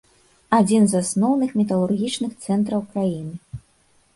Адзін з асноўных металургічных цэнтраў краіны.